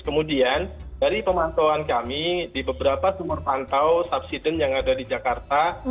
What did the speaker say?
kemudian dari pemantauan kami di beberapa sumur pantau subsidence yang ada di jakarta